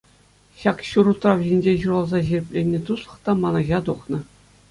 Ҫак ҫур утрав ҫинче ҫуралса ҫирӗпленнӗ туслӑх та манӑҫа тухнӑ.